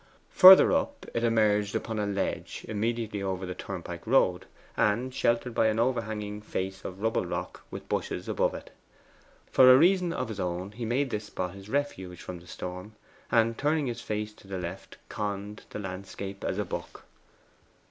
Further up it emerged upon a ledge immediately over the turnpike road, and sheltered by an overhanging face of rubble rock, with bushes above. For a reason of his own he made this spot his refuge from the storm, and turning his face to the left, conned the landscape as a book.